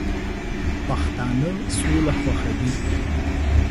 پښتانه سوله خوښوي